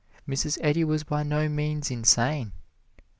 Mrs. Eddy was by no means insane.